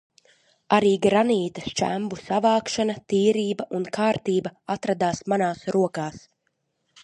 Arī granīta šķembu savākšana, tīrība un kārtība atradās manās rokās.